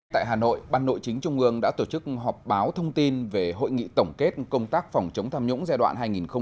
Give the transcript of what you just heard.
tại hà nội ban nội chính trung ương đã tổ chức họp báo thông tin về hội nghị tổng kết công tác phòng chống tham nhũng giai đoạn hai nghìn một mươi chín hai nghìn hai mươi